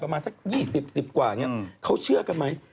ประมาณสัก๒๐๑๐กว่าเขาเชื่อกันไหม